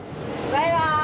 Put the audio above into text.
バイバーイ！